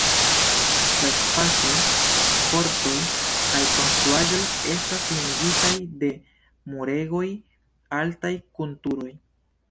La spacoj, kortoj kaj konstruaĵoj estas limigitaj de muregoj altaj kun turoj.